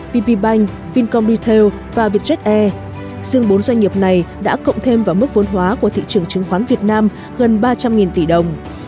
vp bank vincom betail và vietjet air riêng bốn doanh nghiệp này đã cộng thêm vào mức vốn hóa của thị trường chứng khoán việt nam gần ba trăm linh tỷ đồng